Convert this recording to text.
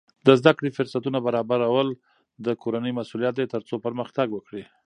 د زده کړې فرصتونه برابرول د کورنۍ مسؤلیت دی ترڅو پرمختګ وکړي.